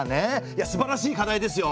いやすばらしい課題ですよ。